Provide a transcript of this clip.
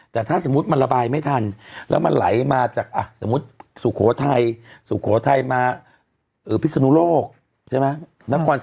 แต่ถ้าสมมุติมันระบายไม่ทันแล้วมันไหลมาจากสมมุติสุโขทัยสุโขทัยมาพิศนุโลกใช่ไหม